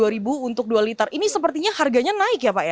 rp dua untuk dua liter ini sepertinya harganya naik ya pak ya